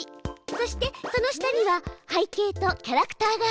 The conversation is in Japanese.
そしてその下には背景とキャラクターがあるの。